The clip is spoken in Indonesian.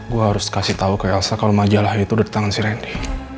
gue harus kasih tahu ke elsa kalau majalah itu udah di tangan si reni